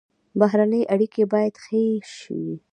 بهرنۍ اړیکې باید ښې شي